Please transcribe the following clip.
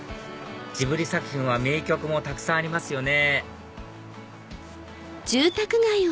ジブリ作品は名曲もたくさんありますよね